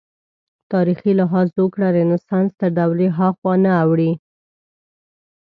تاریخي لحاظ زوکړه رنسانس تر دورې هاخوا نه اوړي.